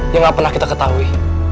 yang gak pernah kita ketahui